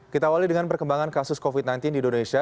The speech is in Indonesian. kita awali dengan perkembangan kasus covid sembilan belas di indonesia